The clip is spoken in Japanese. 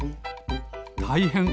たいへん！